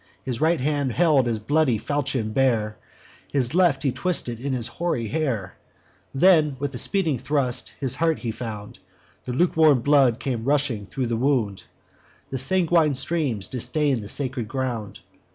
His right hand held his bloody falchion bare, His left he twisted in his hoary hair; Then, with a speeding thrust, his heart he found: The lukewarm blood came rushing thro' the wound, And sanguine streams distain'd the sacred ground.